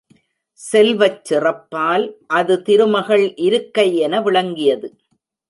செல்வச் சிறப்பால் அது திருமகள் இருக்கை என விளங்கியது.